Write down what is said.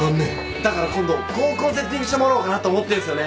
だから今度合コンセッティングしてもらおうかなと思ってんすよね。